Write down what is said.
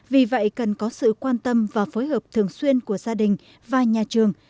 vì vậy cần có sự quan tâm và phối hợp thường xuyên của gia đình và nhà trường